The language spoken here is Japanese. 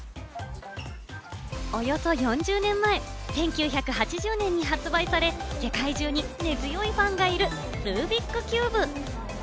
およそ４０年前、１９８０年に発売され、世界中に根強いファンがいるルービックキューブ。